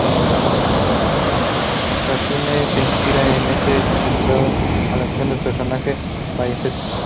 Racine se inspira en este hecho centrando la acción en el personaje de Bayaceto.